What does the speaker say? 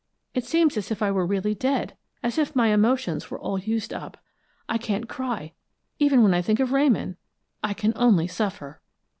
It seems as if I were really dead, as if my emotions were all used up. I can't cry, even when I think of Ramon I can only suffer."